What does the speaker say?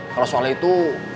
kalau soalnya itu